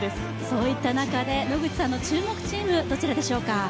そういった中で野口さんの注目チーム、どちらでしょうか？